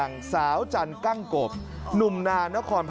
และก็มีการกินยาละลายริ่มเลือดแล้วก็ยาละลายขายมันมาเลยตลอดครับ